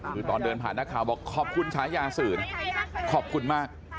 คือตอนเดินผ่านนักข่าวบอกขอบคุณฉายาสื่อนะขอบคุณมาก